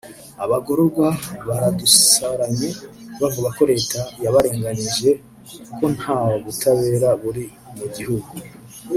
abagororwa baradusaranye bavuga ko Leta yabarenganije ko ntabutabera buri mu gihugu